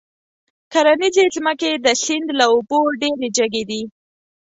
کرنيزې ځمکې د سيند له اوبو ډېرې جګې دي.